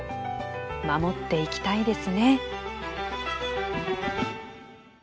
守っていきたいですね。